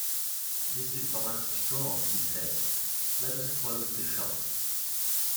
"This is the last straw," he said, "let us close the shop."